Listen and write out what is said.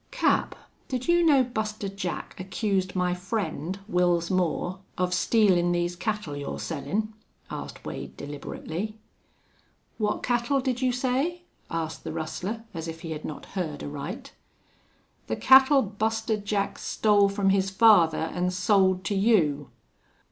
"Cap, did you know Buster Jack accused my friend, Wils Moore, of stealin' these cattle you're sellin'?" asked Wade, deliberately. "What cattle did you say?" asked the rustler, as if he had not heard aright. "The cattle Buster Jack stole from his father an' sold to you."